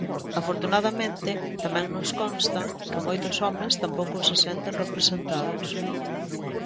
Afortunadamente, tamén nos consta que moitos homes tampouco se senten representados.